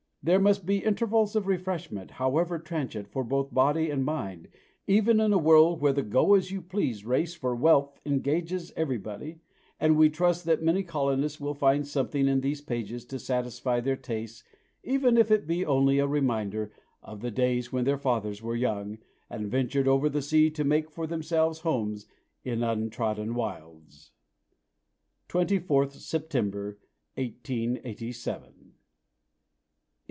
There must be "intervals for refreshment," however transient, both for body and mind, even in a world where the "go as you please" race for wealth engages everybody, and we trust that many colonists will find something in these pages to satisfy their tastes even if it be only a reminder of the days when their fathers were young, and ventured over the sea to make for themselves homes in untrodden wilds. B. 24th September 1887. CONTENTS. .....